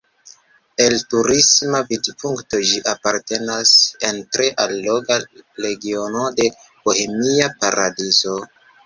El turisma vidpunkto ĝi apartenas en tre alloga regiono de Bohemia paradizo.